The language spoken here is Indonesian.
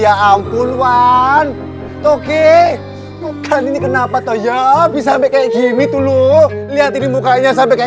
ya ampun wan toge bukan ini kenapa toh ya bisa sampai kayak gini tuh lu lihat di mukanya sampai